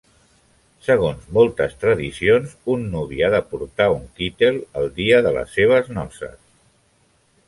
Segons moltes tradicions, un nuvi ha de portar un "kittel" el dia de les seves noces.